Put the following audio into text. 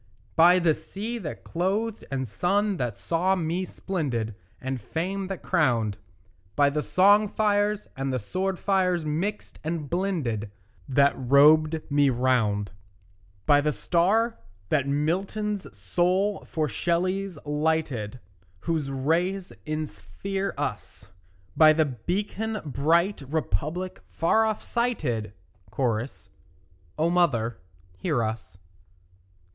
By the sea that clothed and sun that saw me splendid And fame that crowned, By the song fires and the sword fires mixed and blended That robed me round; By the star that Milton's soul for Shelley's lighted, Whose rays insphere us; By the beacon bright Republic far off sighted; (Cho.) O mother, hear us.